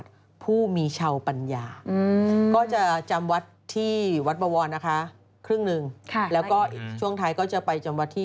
ท่านนั่งตั้งใจ